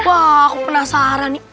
wah aku penasaran nih